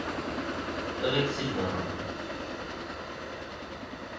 Ad ak-tt-id-aɣeɣ.